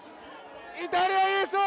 イタリア、優勝！